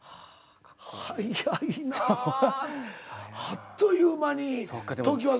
あっという間に時は。